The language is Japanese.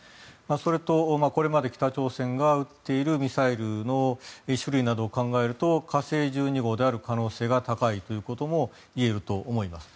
それと、これまで北朝鮮が撃っているミサイルの種類などを考えると火星１２号である可能性が高いということも言えると思います。